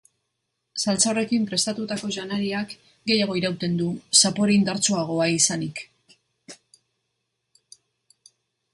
Saltsa horrekin prestatutako janaria gehiago irauten du, zapore indartsuago izanik.